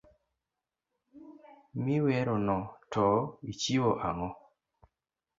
Mi werono to ochiwo ang'o.